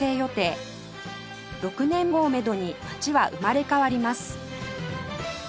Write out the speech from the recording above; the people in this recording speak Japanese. ６年後をめどに街は生まれ変わります